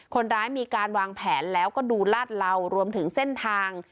คนร้ายมีการวางแผนแล้วก็ดูลาดเหลารวมถึงเส้นทาง